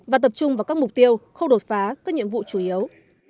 và tập trung vào các mục tiêu không đột phá các nhiệm vụ chủ yếu